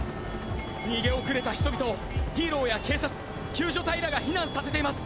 逃げ遅れた人々をヒーローや警察救助隊らが避難させています。